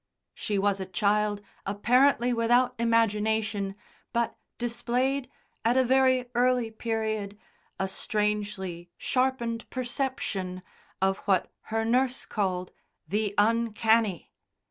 She was a child, apparently without imagination, but displayed, at a very early period, a strangely sharpened perception of what her nurse called "the uncanny."